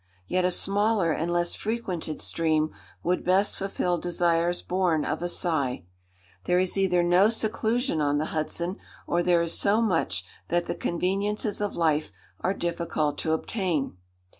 Yet a smaller and less frequented stream would best fulfil desires born of a sigh. There is either no seclusion on the Hudson, or there is so much that the conveniences of life are difficult to obtain.